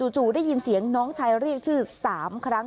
จู่ได้ยินเสียงน้องชายเรียกชื่อ๓ครั้ง